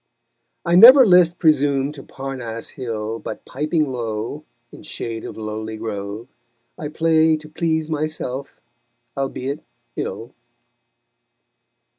I never list presume to Parnass hill, But piping low, in shade of lowly grove, I play to please myself, albeit ill.